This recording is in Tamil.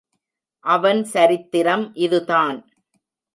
அவன் சரித்திரம் இது தான்.